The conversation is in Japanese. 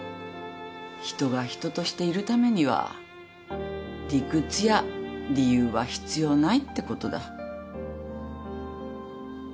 人が人としているためには理屈や理由は必要ないってことだ。